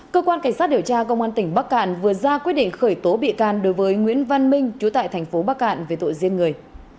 cơ quan cảnh sát điều tra công an tỉnh bắc cạn vừa ra quyết định khởi tố bị can đối với nguyễn văn minh chú tại thành phố bắc cạn về tội giết người